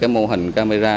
mô hình camera